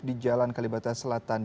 di jalan kalibata selatan